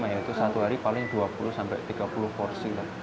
ya itu satu hari paling dua puluh sampai tiga puluh porsi lah